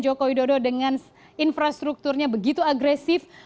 joko widodo dengan infrastrukturnya begitu agresif